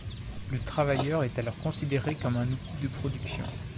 Le travailleur est alors considéré comme un outil de production.